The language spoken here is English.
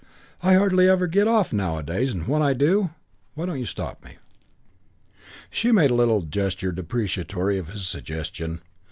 I hardly ever get off nowadays and when I do! Why don't you stop me?" She made a little gesture deprecatory of his suggestion.